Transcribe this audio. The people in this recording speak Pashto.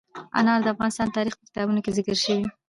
انار د افغان تاریخ په کتابونو کې ذکر شوی دي.